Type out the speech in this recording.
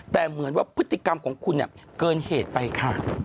แต่เหมือนว่าพฤติกรรมของคุณเนี่ยเกินเหตุไปค่ะ